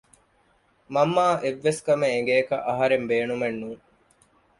މަންމައަށް އެއްވެސް ކަމެއް އެނގޭކަށް އަހަރެން ބޭނުމެއް ނޫން